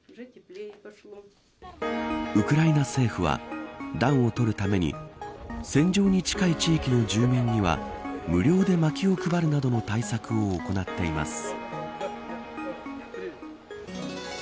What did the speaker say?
ウクライナ政府は暖をとるために戦場に近い地域の住民には無料で、まきを配るなどの対策を行っています。